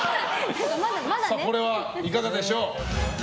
これはいかがでしょう？